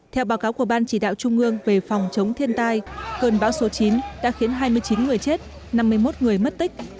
theo báo cáo của ban chỉ đạo trung ương về phòng chống thiên tai cơn bão số chín đã khiến hai mươi chín người chết năm mươi một người mất tích